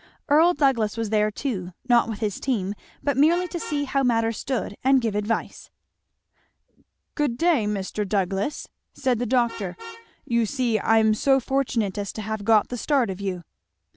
Earl Douglass was there too, not with his team, but merely to see how matters stood and give advice. "Good day, Mr. Douglass!" said the doctor. "You see I'm so fortunate as to have got the start of you."